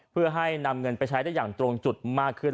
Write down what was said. เพื่อให้นำเงินไปใช้ได้อย่างตรงจุดมากขึ้น